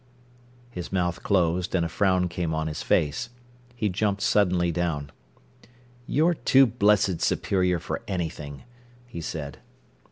His mouth closed, and a frown came on his face. He jumped suddenly down. "You're too blessed superior for anything," he said.